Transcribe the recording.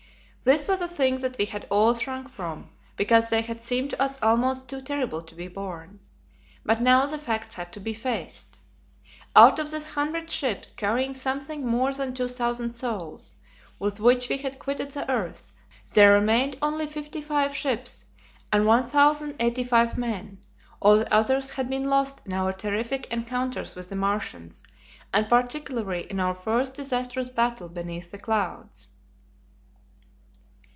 This was a thing that we had all shrunk from, because they had seemed to us almost too terrible to be borne. But now the facts had to be faced. Out of the 100 ships, carrying something more than two thousand souls, with which we had quitted the earth, there remained only fifty five ships and 1,085 men! All the others had been lost in our terrific encounters with the Martians, and particularly in our first disastrous battle beneath the clouds.